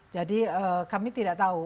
jadi kami tidak tahu